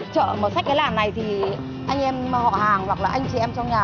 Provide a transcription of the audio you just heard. chợ mở sách cái làn này thì anh em họ hàng hoặc là anh chị em trong nhà